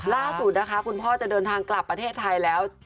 ล่าสุดนะคะคุณพ่อจะเดินทางกลับประเทศไทยแล้ว